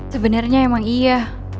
sebenernya emang iya